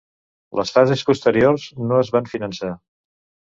Les fases posteriors no es van finançar.